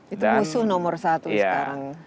itu musuh nomor satu sekarang